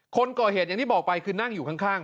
คนก่อเหตุอย่างที่บอกไปคือนั่งอยู่ข้าง